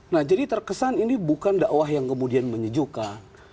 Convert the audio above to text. nah jadi terkesan ini bukan dakwah yang kemudian menyejukkan